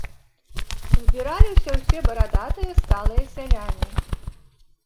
Збіраліся ўсе барадатыя сталыя сяляне.